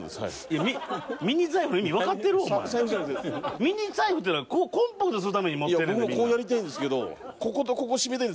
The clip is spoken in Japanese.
ミニ財布っていうのはコンパクトにするために持ってんねんで。